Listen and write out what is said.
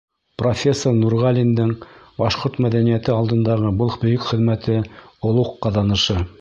Профессор Нурғәлиндең башҡорт мәҙәниәте алдындағы был бөйөк хеҙмәте — олуғ ҡаҙанышы.